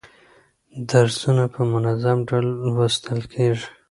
درسونه په منظم ډول لوستل کیږي.